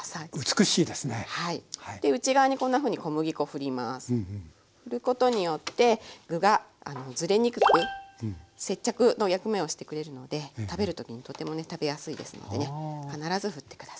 ふることによって具がずれにくく接着の役目をしてくれるので食べる時にとてもね食べやすいですのでね必ずふって下さい。